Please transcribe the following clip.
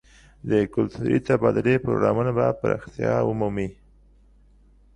د کلتوري تبادلې پروګرامونه به پراختیا ومومي.